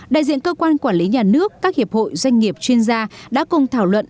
đại diện cơ quan quản lý nhà nước các hiệp hội doanh nghiệp chuyên gia đã cùng thảo luận